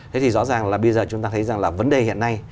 thế thì rõ ràng là bây giờ chúng ta thấy rằng là vấn đề hiện nay